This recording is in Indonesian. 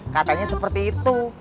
katanya seperti itu